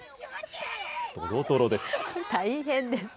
大変です。